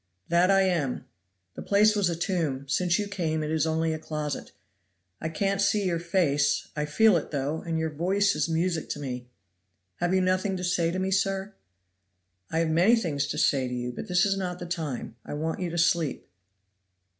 "That I am. The place was a tomb; since you came it is only a closet. I can't see your face I feel it, though; and your voice is music to me. Have you nothing to say to me, sir?" "I have many things to say to you; but this is not the time. I want you to sleep."